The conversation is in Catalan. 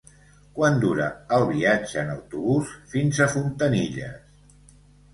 Quant dura el viatge en autobús fins a Fontanilles?